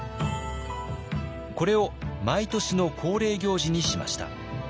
これを毎年の恒例行事にしました。